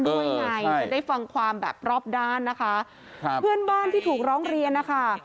ด้วยไงจะได้ฟังความแบบรอบด้านนะคะครับเพื่อนบ้านที่ถูกร้องเรียนนะคะ